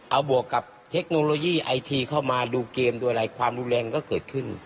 เอาบวกกับเทคโนโลยีไอทีเข้ามาดูเกมดูอะไรความรุนแรงก็เกิดขึ้น